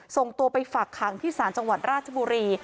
ส่งตัวไปฝากขังที่ศาลจังหวัดราชบุรี